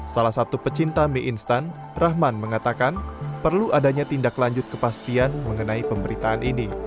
salah satu pecinta mie instan rahman mengatakan perlu adanya tindak lanjut kepastian mengenai pemberitaan ini